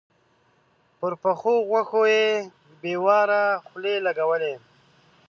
پر پخو غوښو يې بې واره خولې لګولې.